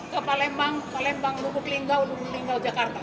ke palembang lubuk linggau jakarta